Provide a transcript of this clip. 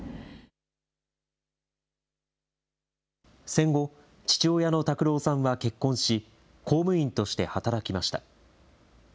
戦後、父親の琢郎さんは結婚し、公務員として働きました。